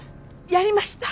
やりました。